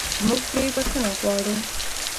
چې موږ پرې بخښنه غواړو.